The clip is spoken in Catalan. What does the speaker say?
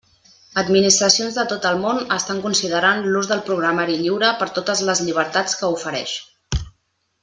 Administracions de tot el món estan considerant l'ús del programari lliure per totes les llibertats que ofereix.